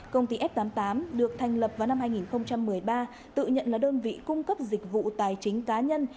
công ty f tám mươi tám được thành lập vào năm hai nghìn một mươi ba tự nhận là đơn vị cung cấp dịch vụ tài chính cá nhân